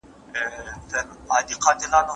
د ډیرو خلګو سره د شناخت څخه